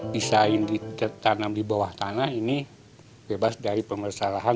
bisa ditanam di bawah tanah ini bebas dari pemersalahan